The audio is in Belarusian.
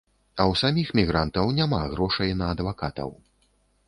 А ў саміх мігрантаў няма грошай на адвакатаў.